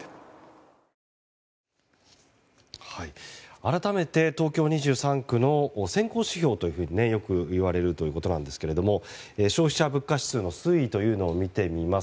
改めて、東京２３区の先行指標とも、よくいわれるということなんですが消費者物価指数の推移を見てみます。